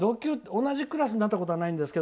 同じクラスになったことはないんですが。